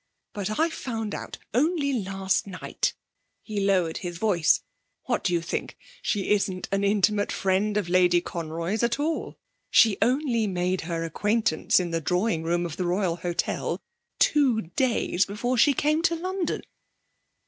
But I found out, only last night' he lowered his voice 'what do you think? She isn't an intimate friend of Lady Conroy's at all! She only made her acquaintance in the drawing room of the Royal Hotel two days before she came to London!'